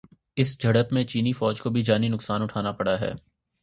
اس جھڑپ میں چینی فوج کو بھی جانی نقصان اٹھانا پڑا ہے